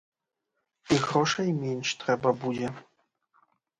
І грошай менш трэба будзе.